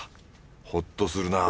ホッとするなぁ